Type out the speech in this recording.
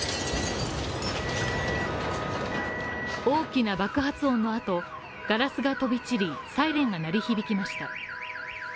大きな爆発音のあと、ガラスが飛び散りサイレンが鳴り響きました。